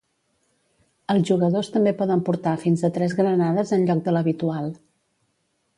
Els jugadors també poden portar fins a tres granades en lloc de l'habitual.